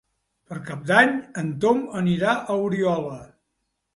Per Cap d'Any en Tom anirà a Oriola.